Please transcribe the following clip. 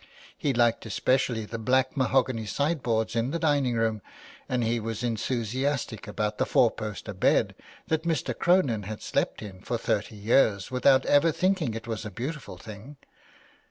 He liked especially the black mahogany sideboards in the diningroom, and he was enthusiastic about the four post bed that Mr. Cronin had slept in for thirty years without ever thinking it was a beautiful thing.